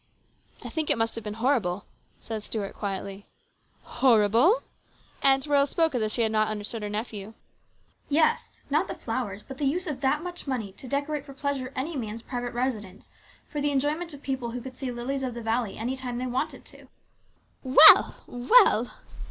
" I think it must have been horrible," said Stuart quietly. " Horrible ?" Aunt Royal spoke as if she had not understood her nephew. " Yes ; not the flowers, but the use of that much money to decorate for pleasure any man's private residence for the enjoyment of people who could see lilies of the valley any time they wanted to." " Well ! well